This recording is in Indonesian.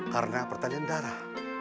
karena pertanyaan darah